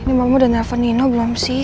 ini mamu dan alvanino belum sih